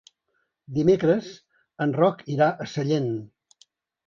Dimecres en Roc irà a Sallent.